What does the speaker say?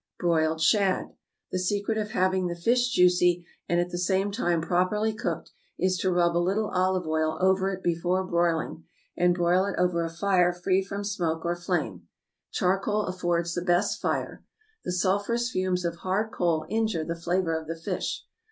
=Broiled Shad.= The secret of having the fish juicy, and at the same time properly cooked, is to rub a little olive oil over it before broiling, and broil it over a fire free from smoke or flame. Charcoal affords the best fire. The sulphurous fumes of hard coal injure the flavor of the fish.